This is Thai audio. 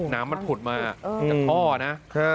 น้ำมันผุดมาจากท่อนะ